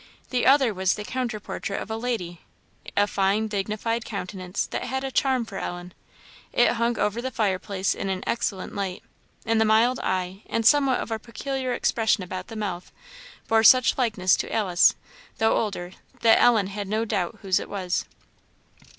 The other was the counter portrait of a lady; a fine, dignified countenance that had a charm for Ellen. It hung over the fireplace in an excellent light; and the mild eye, and somewhat of a peculiar expression about the mouth, bore such likeness to Alice, though older, that Ellen had no doubt whose it was.